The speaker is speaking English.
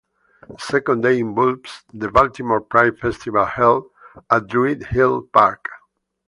The second day involves the Baltimore Pride Festival held at Druid Hill Park.